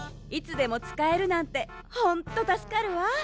いつでもつかえるなんてほんとたすかるわ。